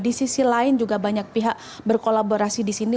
di sisi lain juga banyak pihak berkolaborasi di sini